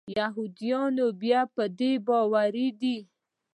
یهودیان بیا په دې باور دي.